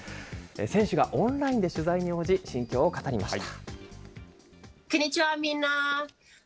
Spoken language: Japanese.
選手がオンラインで取材に応じ、心境を語りました。